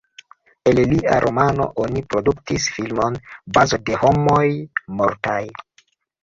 El lia romano oni produktis filmon Bazo de homoj mortaj.